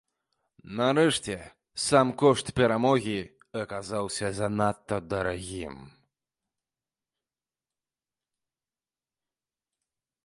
Нарэшце, сам кошт перамогі аказаўся занадта дарагім.